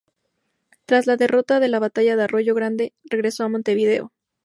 Tras la derrota en la batalla de Arroyo Grande, regresó a Montevideo.